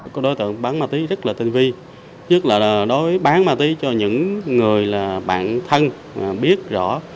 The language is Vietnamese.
các đối tượng bán ma túy rất là tinh vi nhất là đối bán ma túy cho những người là bạn thân biết rõ